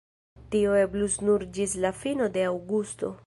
Tio eblos nur ĝis la fino de aŭgusto.